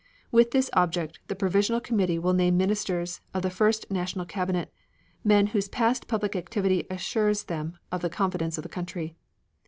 With this object, the Provisional Committee will name ministers of the first national cabinet, men whose past public activity assures them the confidence of the country.